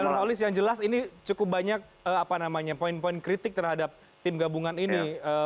mas rolis yang jelas ini cukup banyak poin poin kritik terhadap tim gabungan ini